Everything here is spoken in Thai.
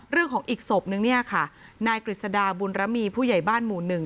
เรื่องของอีกศพหนึ่งนี่ค่ะนายกฤษดาบุญรมีผู้ใหญ่บ้านหมู่หนึ่ง